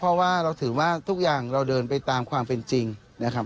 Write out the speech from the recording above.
เพราะว่าเราถือว่าทุกอย่างเราเดินไปตามความเป็นจริงนะครับ